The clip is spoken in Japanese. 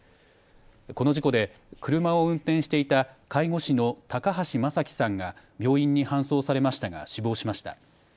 この事故で車を運転していた介護士の高橋正樹さんが病院に搬送されましたが死亡しました。